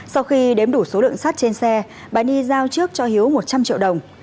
sau khi đếm đủ số lượng sắt trên xe bà y giao trước cho hiếu một trăm linh triệu đồng